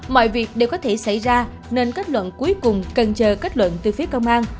mọi việc đều có thể xảy ra nên kết luận cuối cùng cần chờ kết luận từ phía công an